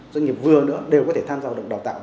doanh nghiệp vừa nữa đều có thể tham gia vào đồng đào tạo